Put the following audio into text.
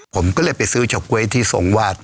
ผมก็เลยไปซื้อเฉาก๊วยที่ทรงวาด